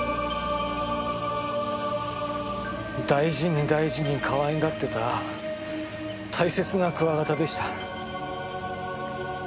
大事に大事に可愛がってた大切なクワガタでした。